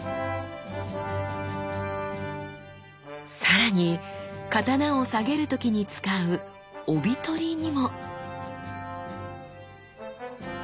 さらに刀を下げる時に使う帯執にも！